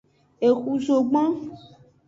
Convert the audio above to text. Exu zogbon.